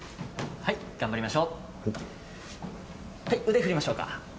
はい腕振りましょうか。